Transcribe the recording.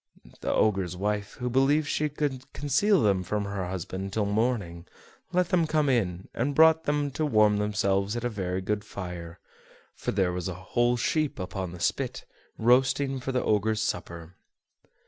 The Ogre's wife, who believed she could conceal them from her husband till morning, let them come in, and brought them to warm themselves at a very good fire; for there was a whole sheep upon the spit, roasting for the Ogre's supper.